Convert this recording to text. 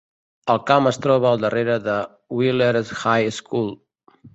El camp es troba al darrere de Wheeler High School.